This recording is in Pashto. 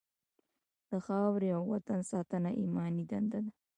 د خاورې او وطن ساتنه ایماني دنده ده.